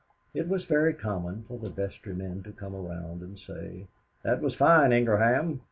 It was very common for the vestrymen to come around and say, "That was fine, Ingraham.